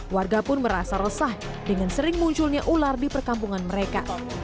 warga pun merasa resah dengan sering munculnya ular di perkampungan mereka